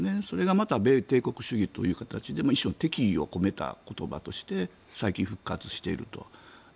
それがまた米帝国主義ということで一種の敵意を込めた言葉として最近復活していると。